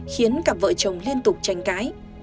khiến cặp vợ chồng liên tục tranh cái